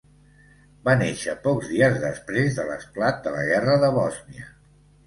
Va néixer pocs dies després de l'esclat de la Guerra de Bòsnia.